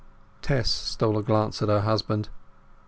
Tess stole a glance at her husband.